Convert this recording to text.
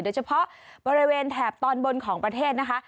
โดยเฉพาะบริเวณแถบตอนบนของประเทศนะคะ